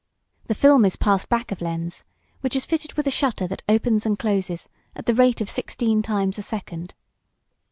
The film is passed back of lens, which is fitted with a shutter that opens and closes at the rate of sixteen times a second.